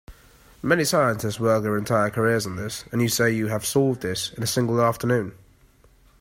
Many scientists work their entire careers on this, and you say you have solved this in a single afternoon?